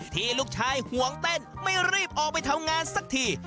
ที่ลูกชายห่วงเต้นไม่รีบออกไปทำงานสักที